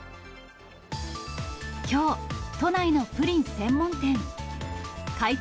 きょう、都内のプリン専門店。